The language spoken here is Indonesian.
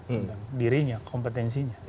tentang dirinya kompetensinya